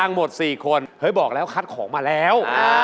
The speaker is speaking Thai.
เฮ้ยบอกแล้วคัดของมาแล้ว